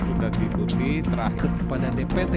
sudah diikuti terakhir pada dpt